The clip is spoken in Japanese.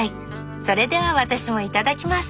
それでは私もいただきます！